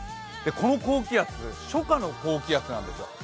この高気圧初夏の高気圧なんですよ。